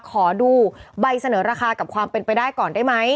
ขอดูใบเสนอราคากับความเป็นไปได้ก่อนได้ไหม